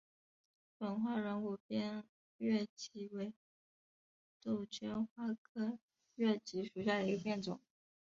粉花软骨边越桔为杜鹃花科越桔属下的一个变种。